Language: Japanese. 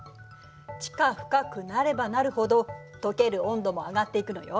地下深くなればなるほどとける温度も上がっていくのよ。